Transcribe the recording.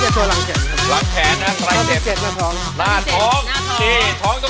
น่าท้องถ้องเรื่อยต้องท่านี้